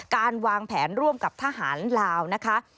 การวางแผนร่วมกับทหารลาวนะคะ